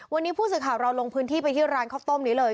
วันนี้ผู้สื่อข่าวเราลงพื้นที่ไปที่ร้านข้าวต้มนี้เลย